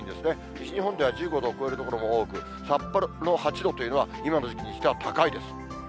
西日本では１５度を超える所も多く、札幌の８度というのは、今の時期にしては高いです。